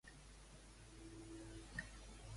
Com creu Brenan que és aquest ésser?